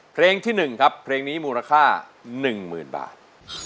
เพลงที่๑ครับเพลงนี้มูลค่า๑๐๐๐บาท